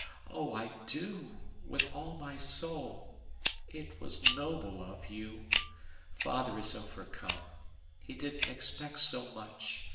Oh, I do with all my soul. It was noble of you. Father is overcome. He didn't expect so much.